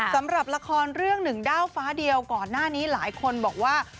สำหรับละครเรื่องหนึ่งด้าวฟ้าเดียวก่อนหน้านี้หลายคนบอกว่า